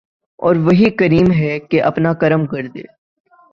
او ر وہی کریم ہے کہ اپنا کرم کردے ۔